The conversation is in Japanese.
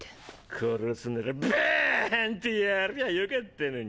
殺すならバァァン！ってやりゃよかったのに。